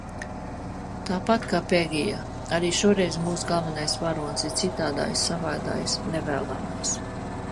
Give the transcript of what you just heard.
Tāpat kā Pegija arī šoreiz mūsu galvenais varonis ir citādais, savādais, nevēlamais.